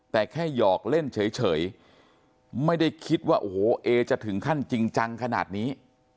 แต่แค่หยอกเล่นเฉยไม่ได้คิดว่าโอ้โหเอจะถึงขั้นจริงจังขนาดนี้